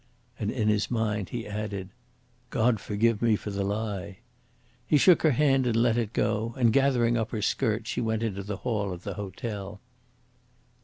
And in his mind he added: "God forgive me for the lie." He shook her hand and let it go; and gathering up her skirt she went into the hall of the hotel.